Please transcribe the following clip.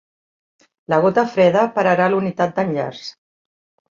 La gota freda pararà l'unitat d'enllaç.